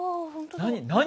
何？